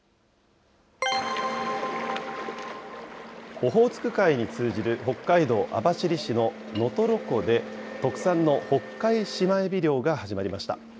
オホーツク海に通じる北海道網走市の能取湖で、特産のホッカイシマエビ漁が始まりました。